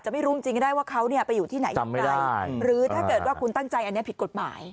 หรือถ้าเกิดว่าคุณตั้งใจอันนี้ผิดกฎหมาย